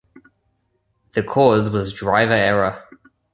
The cause was driver error.